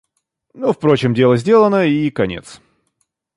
Ну, впрочем, дело сделано, и конец.